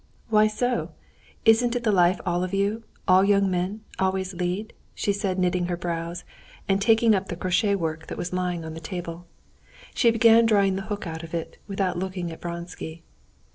"Why so? Isn't it the life all of you, all young men, always lead?" she said, knitting her brows; and taking up the crochet work that was lying on the table, she began drawing the hook out of it, without looking at Vronsky.